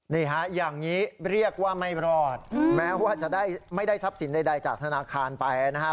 นี่ฮะอย่างนี้เรียกว่าไม่รอดแม้ว่าจะได้ไม่ได้ทรัพย์สินใดจากธนาคารไปนะครับ